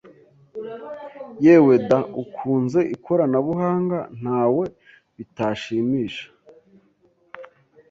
Yewe da! Ukunze ikoranabuhanga nta we bitashimisha.